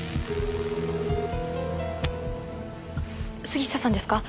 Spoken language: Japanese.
杉下さんですか？